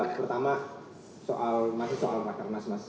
pertama soal masih soal rakar mas mas